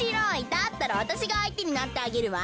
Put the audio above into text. だったらわたしがあいてになってあげるわ！